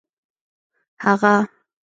هغه